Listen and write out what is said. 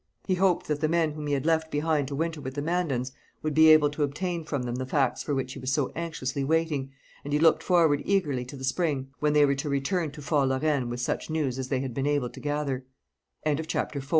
He hoped that the men whom he had left behind to winter with the Mandans would be able to obtain from them the facts for which he was so anxiously waiting, and he looked forward eagerly to the spring, when they were to return to Fort La Reine with such news as they h